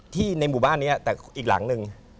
ที่ในหมู่บ้านเนี่ยแต่อีกหลังนึง